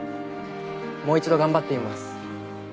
もう一度頑張ってみます。